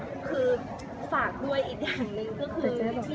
เพราะว่าคือจะถ่ายเสร็จกลางเกือบท้ายเนอะ๒๓กว่าธันวาร์เนี้ยอะไรอย่างนี้